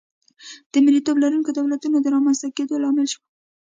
د مریتوب لرونکو دولتونو د رامنځته کېدا لامل شوه.